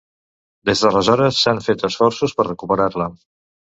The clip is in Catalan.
Des d'aleshores s'han fet esforços per recuperar-la.